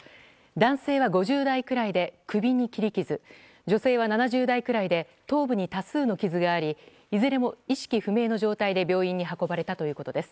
女性は７０代くらいで頭部に多数の傷がありいずれも意識不明の状態で病院に運ばれたということです。